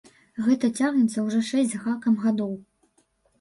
Гэта цягнецца ўжо шэсць з гакам гадоў!